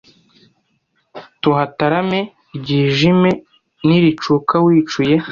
Tuhatarame ryijime Niricuka wicuye